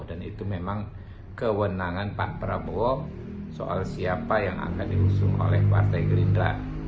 dan itu memang kewenangan pak prabowo soal siapa yang akan diusung oleh partai gerindra